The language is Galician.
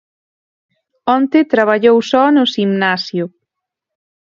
Onte traballou só no ximnasio.